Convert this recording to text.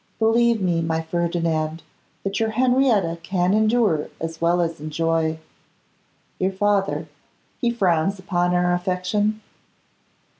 Believe me, my Ferdinand, that your Henrietta can endure as well as enjoy. Your father, he frowns upon our affection?